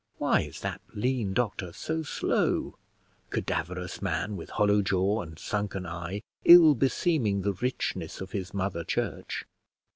Why is that lean doctor so slow, cadaverous man with hollow jaw and sunken eye, ill beseeming the richness of his mother church!